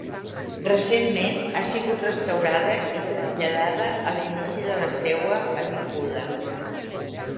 Recentment ha sigut restaurada i traslladada a l'inici de la seua avinguda.